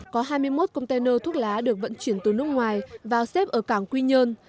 có hai mươi một container thuốc lá được vận chuyển từ nước ngoài vào xếp ở cảng quy nhơn